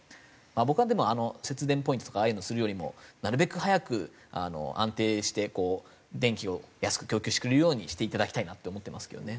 僕はでも節電ポイントとかああいうのをするよりもなるべく早く安定して電気を安く供給してくれるようにして頂きたいなって思ってますけどね。